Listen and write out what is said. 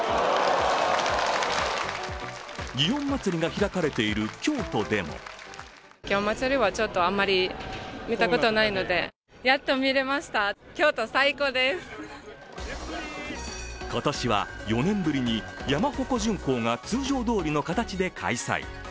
祇園祭が開かれている京都でも今年は４年ぶりに山鉾巡行が通常どおりの形で開催。